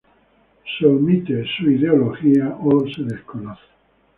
Se omite su ideología comunista o se desconoce.